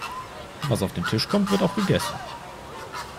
Was auf den Tisch kommt, wird auch gegessen.